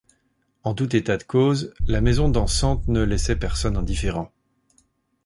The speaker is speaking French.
En tout état de cause, la maison dansante ne laisse personne indifférent.